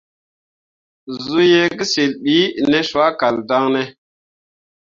Zuu ye kǝsyil bi ne soa kal daŋ ne ?